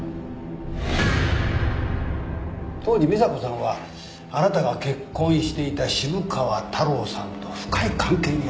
当時美砂子さんはあなたが結婚していた渋川太郎さんと深い関係にあった。